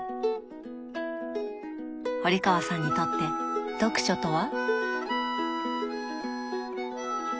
堀川さんにとって読書とは？